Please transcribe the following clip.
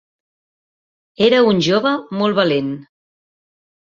Era un jove molt valent.